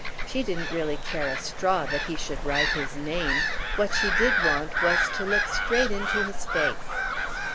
She didn't really care a straw that he should write his name; what she did want was to look straight into his face.